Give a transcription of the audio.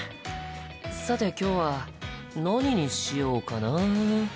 さて今日は何にしようかな？